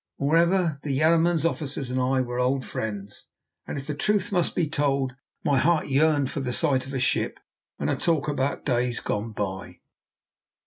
Moreover, the Yarraman's officers and I were old friends, and, if the truth must be told, my heart yearned for the sight of a ship and a talk about days gone by.